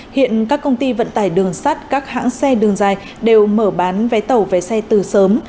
hiện các công ty vận tải đường sắt các hãng xe đường dài đều mở bán vé tàu vé xe từ sớm